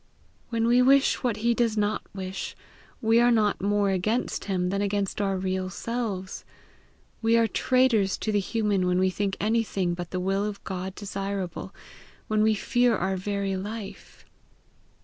When we wish what he does not wish, we are not more against him than against our real selves. We are traitors to the human when we think anything but the will of God desirable, when we fear our very life."